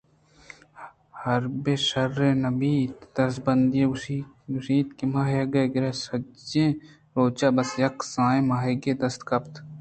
حر بِہ شِیرے نہ بیت دزبندی گوٛش اَنت ماہیگ گِرے ءَ سَجّہیں روچ ءَ بس یک کسانیں ماہیگے دست کپت